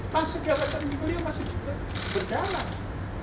masa galakan ini beliau masih berdalam